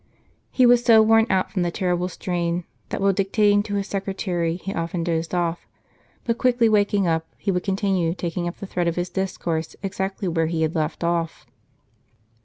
He was so worn out from the terrible strain that while dictating to his secretary he often dozed off, but, quickly waking up, he would continue taking up the thread of his discourse exactly where he had left off.